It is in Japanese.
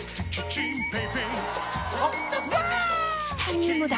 チタニウムだ！